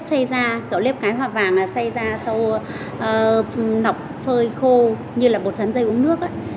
lếp xay ra gạo nếp cái hoa vàng xay ra sau nọc phơi khô như là bột sắn dây uống nước